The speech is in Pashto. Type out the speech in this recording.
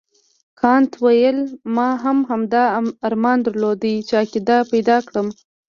کانت وویل ما هم همدا ارمان درلود چې عقیده پیدا کړم.